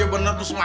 ya bener itu isma